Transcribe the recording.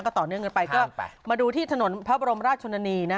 ก็ต่อเนื่องเงินไปก็ข้ามไปมาดูที่ถนนพระบรมราชชนนีนะ